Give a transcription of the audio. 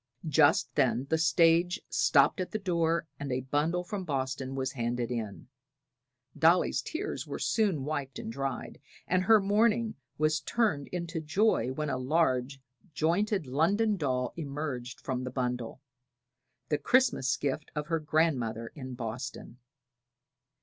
Just then the stage stopped at the door and a bundle from Boston was handed in. Dolly's tears were soon wiped and dried, and her mourning was turned into joy when a large jointed London doll emerged from the bundle, the Christmas gift of her grandmother in Boston.